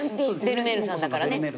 ベルメールさんだからね。